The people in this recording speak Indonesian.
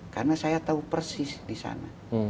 karena saya tahu persis di sana